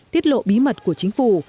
tiết lộ bí mật của chính phủ